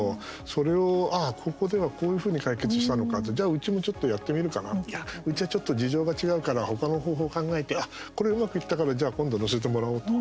それを、ああ、ここではこういうふうに解決したのかとじゃあ、うちも、ちょっとやってみるかないや、うちはちょっと事情が違うから他の方法考えてあ、これうまくいったからじゃあ今度、載せてもらおうと。